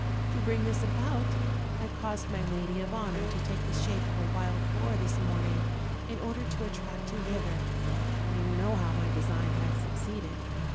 To bring this about, I caused my lady of honor to take the shape of a wild boar this morning, in order to attract you hither; you know how my design has succeeded.